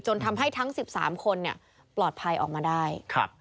ทำให้ทั้ง๑๓คนปลอดภัยออกมาได้